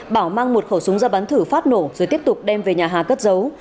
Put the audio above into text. bảo mang một khẩu súng ra bắn thử phát nổ rồi tiếp tục đem về nhà hà cất giấu